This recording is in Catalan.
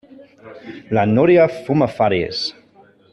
La Núria fuma fàries.